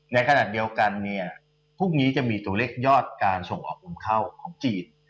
ในขณะเดียวกันเนี่ยพรุ่งนี้จะมีตัวเลขยอดการส่งออกอมเข้าของจีน